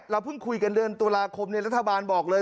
เพิ่งคุยกันเดือนตุลาคมรัฐบาลบอกเลย